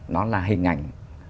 nó là hình ảnh